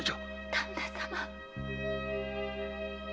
旦那様。